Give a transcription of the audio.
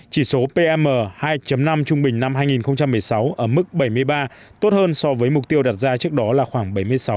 chỉ số pm hai năm trung bình năm hai nghìn một mươi sáu ở mức bảy mươi ba tốt hơn so với mục tiêu đặt ra trước đó là khoảng bảy mươi sáu